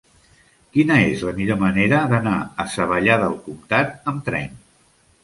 Quina és la millor manera d'anar a Savallà del Comtat amb tren?